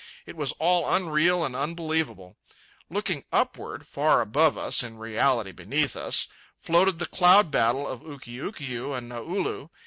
It was all unreal and unbelievable. Looking upward, far above us (in reality beneath us) floated the cloud battle of Ukiukiu and Naulu.